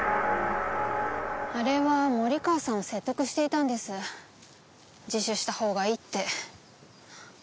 あれは森川さんを説得していたんです自首したほうがいいって。